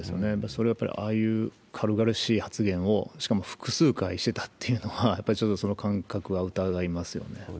それはやっぱり、ああいう軽々しい発言を、しかも複数回してたというのは、やっぱりちょっとその間隔は疑いますよね。